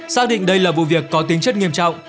xác định đây là vụ việc có tính chất nghiêm trọng